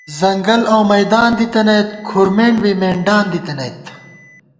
ځنگل اؤمیدان دِتَنَئیت کُھرمېنڈ بی مېنڈان دِتَنَئیت